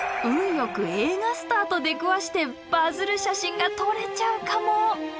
よく映画スターと出くわしてバズる写真が撮れちゃうかも？